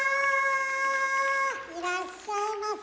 いらっしゃいませ。